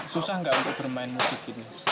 susah enggak untuk bermain musik